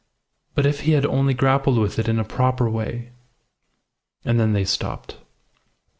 But if he had only grappled with it in a proper way!" And then they stopped.